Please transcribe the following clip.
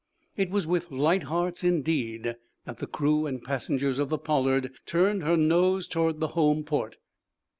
It was with light hearts indeed that the crew and passengers of the "Pollard" turned her nose toward the home port.